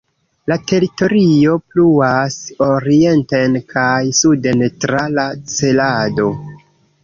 La teritorio pluas orienten kaj suden tra la Cerado.